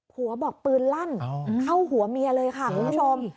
บอกปืนลั่นเข้าหัวเมียเลยค่ะคุณผู้ชม